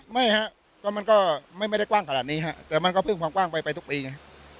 ไม่ฮะก็มันก็ไม่ได้กว้างขนาดนี้ฮะแต่มันก็เพิ่งความกว้างไปไปทุกปีไง